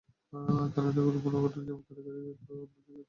কারণ, এগুলোর পুনর্গঠন যেমন কারিগরি দিক দিয়ে অনেক কঠিন, তেমনি ব্যয়বহুলও।